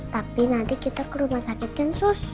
tapi nanti kita ke rumah sakit kan sus